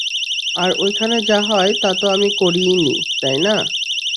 আর ঐখানে যা হয়, তা তো আমি করিই নি, তাই না?